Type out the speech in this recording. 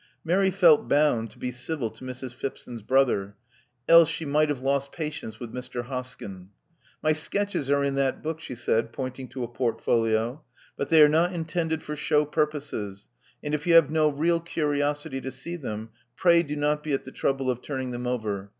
Mary felt bound to be civil to Mrs. Phipson's brother: else she might have lost patience with Mr. Hoskyn. My sketches are in that book," she said, pointing to a portfolio. But they are not intended for show purposes ; and if you have no real curiosity to see them, pray do not be at the trouble of turning them over.